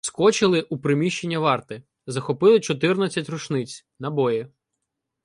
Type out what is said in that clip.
Вскочили у приміщення варти — захопили чотирнадцять рушниць, набої.